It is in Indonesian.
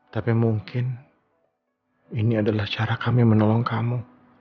tapi mungkin ini adalah cara kami menolong kamu